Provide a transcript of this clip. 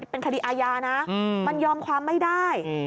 เป็นคดีอาญานะมันยอมความไม่ได้